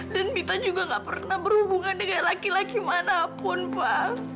dan minta juga nggak pernah berhubungan dengan laki laki manapun pa